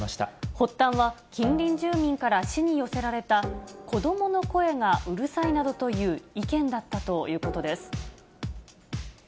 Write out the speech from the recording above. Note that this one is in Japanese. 発端は近隣住民から市に寄せられた、子どもの声がうるさいなどという意見だったということです。